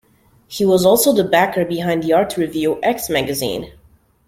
He was also the backer behind the arts review, "X" magazine.